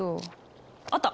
あった！